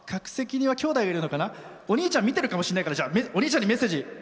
お兄ちゃん見てるかもしれないからお兄ちゃんにメッセージ。